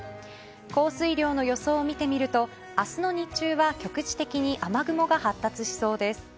降水量の予想を見てみると明日の日中は局地的に雨雲が発達しそうです。